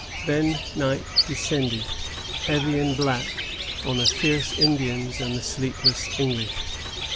Then night descended, heavy and black, on the fierce Indians and the sleepless English.